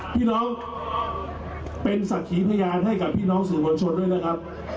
พี่น้องเป็นศักดิ์ขีพยานให้กับพี่น้องสื่อมวลชนด้วยนะครับ